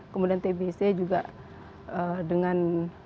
kemudian tbc juga dengan